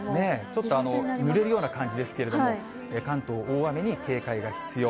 ちょっとぬれるような感じですけれども、関東、大雨に警戒が必要。